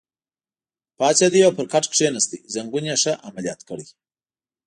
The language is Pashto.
پاڅېد او پر کټ کېناست، زنګون یې ښه عملیات کړی.